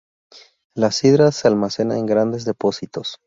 La sidra se almacena en grandes depósitos.